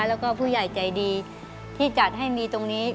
แล้วก็ผู้ใหญ่ใจดีที่จัดให้มีตรงนี้